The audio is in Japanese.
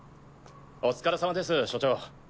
お疲れさまです所長。